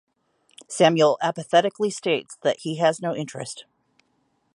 Samuel apathetically states that he has no interest.